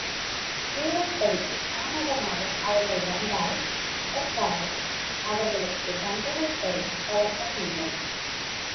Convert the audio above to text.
நேரம் கழித்துத் தாமதமாக அவர்கள் வந்தால் அதற்காக அவர்களுக்குத் தண்டனை தரும் வழக்கம் இல்லை.